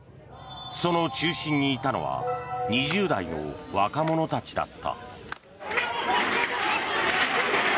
その中心にいたのは２０代の若者たちだった。